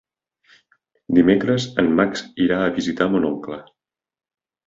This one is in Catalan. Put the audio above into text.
Dimecres en Max irà a visitar mon oncle.